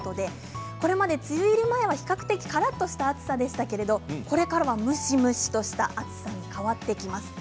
これまで梅雨入り前は比較的からっとした暑さでしたけれどこれからはむしむしとした暑さに変わってきます。